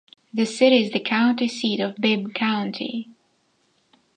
The city is the county seat of Bibb County.